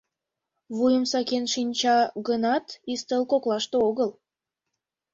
Вуйым сакен шинча гынат, ӱстел коклаште огыл.